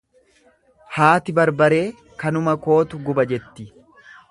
Haati barbaree kanuma kootu guba jetti.